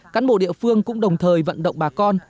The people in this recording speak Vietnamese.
cán bộ địa phương cũng đồng thời vận động bà con